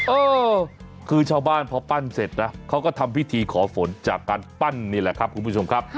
เออคือชาวบ้านพอปั้นเสร็จนะเขาก็ทำพิธีขอฝนจากการปั้นนี่แหละครับคุณผู้ชมครับ